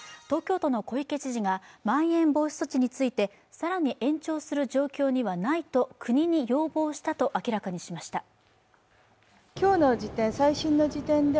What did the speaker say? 東京都の小池知事がまん延防止措置について更に延長する状況にはないと国に要望したと明らかにしました。